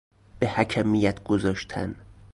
به حکمیت گذاشتن